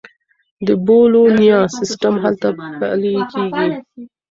د بولونیا سیستم هلته پلي کیږي.